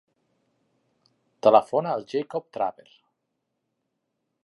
Telefona al Jacob Traver.